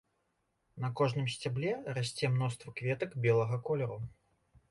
На кожным сцябле расце мноства кветак белага колеру.